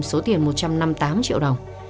số tiền một trăm năm mươi tám triệu đồng